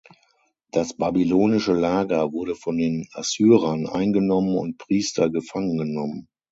Das babylonische Lager wurde von den Assyrern eingenommen und Priester gefangen genommen.